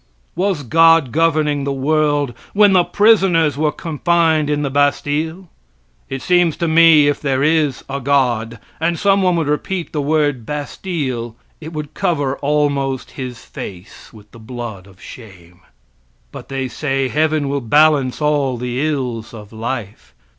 Was God governing the world when the prisoners were confined in the Bastille? It seems to me, if there is a God, and someone would repeat the word "Bastille." it would cover almost his face with the blood of shame. But they say heaven will balance all the ills of life.